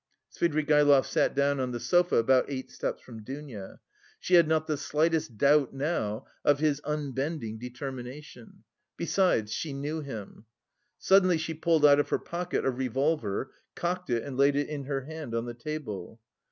Svidrigaïlov sat down on the sofa about eight steps from Dounia. She had not the slightest doubt now of his unbending determination. Besides, she knew him. Suddenly she pulled out of her pocket a revolver, cocked it and laid it in her hand on the table.